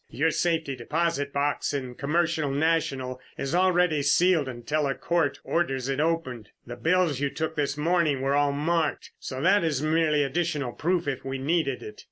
"Your safety deposit box in the Commercial National is already sealed until a court orders it opened. The bills you took this morning were all marked, so that is merely additional proof, if we needed it.